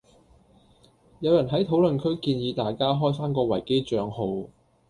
有人喺討論區建議大家開返個維基帳號